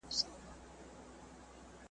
په فریاد یې وو پر ځان کفن څیرلی .